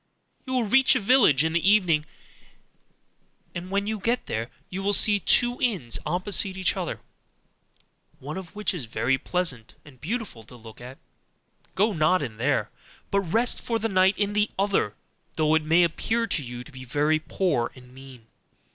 You will reach a village in the evening; and when you get there, you will see two inns opposite to each other, one of which is very pleasant and beautiful to look at: go not in there, but rest for the night in the other, though it may appear to you to be very poor and mean.